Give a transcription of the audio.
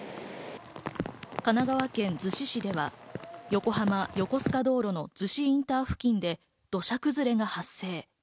神奈川県逗子市では横浜横須賀道路の逗子インター付近で土砂崩れが発生。